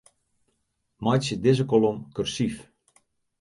Meitsje dizze kolom kursyf.